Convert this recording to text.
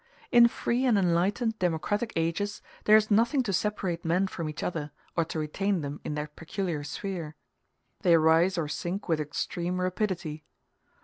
In free and enlightened democratic ages, there is nothing to separate men from each other or to retain them in their peculiar sphere; they rise or sink with extreme rapidity.